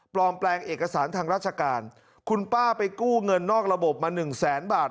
แปลงเอกสารทางราชการคุณป้าไปกู้เงินนอกระบบมาหนึ่งแสนบาท